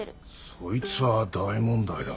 そいつは大問題だ。